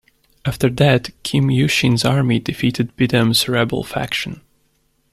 After that, Kim Yushin's army defeated Bidam's rebel faction.